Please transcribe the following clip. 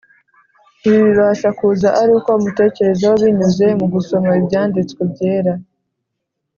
. Ibi bibasha kuza ari uko umutekerezaho, binyuze mu gusoma Ibyanditswe Byera,